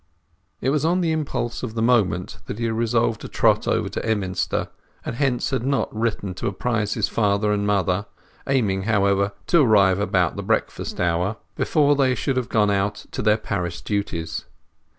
It was on the impulse of the moment that he had resolved to trot over to Emminster, and hence had not written to apprise his mother and father, aiming, however, to arrive about the breakfast hour, before they should have gone out to their parish duties.